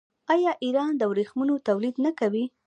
آیا ایران د ورېښمو تولید نه کوي؟